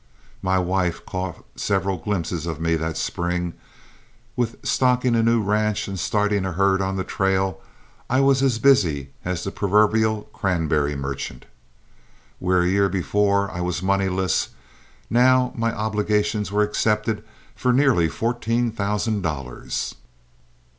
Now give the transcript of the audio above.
My wife caught several glimpses of me that spring; with stocking a new ranch and starting a herd on the trail I was as busy as the proverbial cranberry merchant. Where a year before I was moneyless, now my obligations were accepted for nearly fourteen thousand dollars.